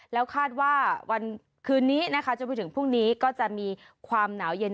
แล้วคาดว่าวันคืนนี้นะคะจนไปถึงพรุ่งนี้ก็จะมีความหนาวเย็น